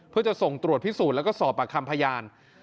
เพื่อจะส่งตรวจพิสูจน์แล้วก็สอบปากคำพยาน